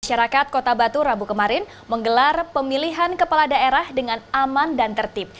masyarakat kota batu rabu kemarin menggelar pemilihan kepala daerah dengan aman dan tertib